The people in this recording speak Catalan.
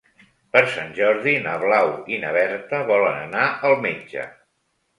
Per Sant Jordi na Blau i na Berta volen anar al metge.